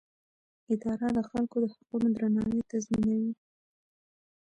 اداره د خلکو د حقونو درناوی تضمینوي.